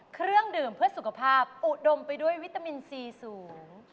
เครื่องดื่มเพื่อสุขภาพอุดมไปด้วยวิตามินซีสูง